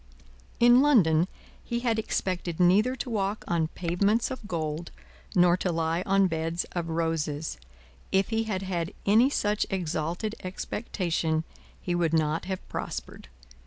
In London, he had expected neither to walk on pavements of gold, nor to lie on beds of roses; if he had had any such exalted expectation, he would not have prospered.